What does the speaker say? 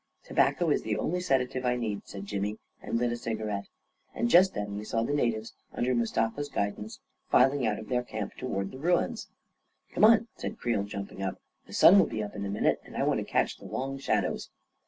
" Tobacco is the only sedative I need," said Jimmy, and lit a cigarette ; and just then we saw the natives, under Mustafa's guidance, filing out of their camp toward the ruins. A KING IN BABYLON 177 " Come on," said Creel, jumping up. " The sun will be up in a minute, and I want to catch the long shadows."